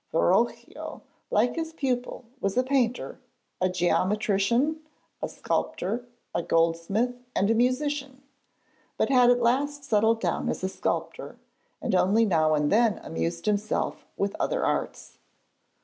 Verrocchio, like his pupil, was a painter, a geometrician, a sculptor, a goldsmith and a musician, but had at last settled down as a sculptor, and only now and then amused himself with other arts.